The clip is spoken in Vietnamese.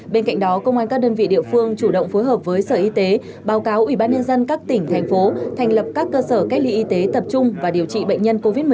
bên cạnh đó công an các đơn vị địa phương chủ động phối hợp với sở y tế báo cáo ủy ban nhân dân các tỉnh thành phố thành lập các cơ sở cách ly y tế tập trung và điều trị bệnh nhân covid một mươi chín